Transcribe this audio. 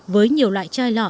với nhiều loại chai lọ